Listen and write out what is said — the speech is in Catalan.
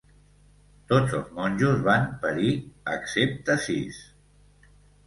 Tots els monjos van perir, excepte sis.